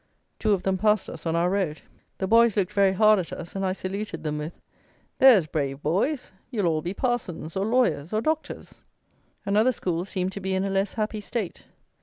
Two of them passed us on our road. The boys looked very hard at us, and I saluted them with "There's brave boys, you'll all be parsons or lawyers or doctors." Another school seemed to be in a less happy state.